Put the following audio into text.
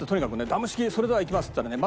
「ダム式それではいきます」って言ったらね